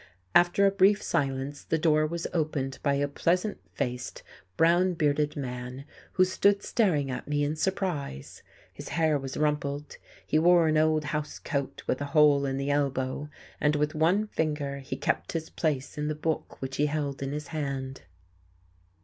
After a brief silence the door was opened by a pleasant faced, brown bearded man, who stood staring at me in surprise. His hair was rumpled, he wore an old house coat with a hole in the elbow, and with one finger he kept his place in the book which he held in his hand.